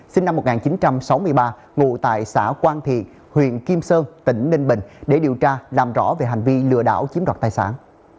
sinh năm một nghìn chín trăm sáu mươi ba ngụ tại xã quang thiện huyện kim sơn tỉnh ninh bình để điều tra làm rõ về hành vi lừa đảo chiếm đoạt tài sản